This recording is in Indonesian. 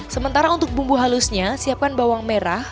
sementara untuk bumbu halusnya siapkan bawang merah